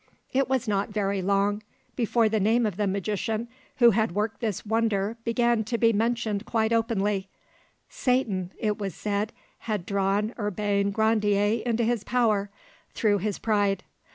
It was not very long before the name of the magician who had worked this wonder began to be mentioned quite openly: Satan, it was said, had drawn Urbain Grandier into his power, through his pride.